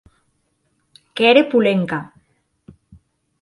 Qu’ère Polenka.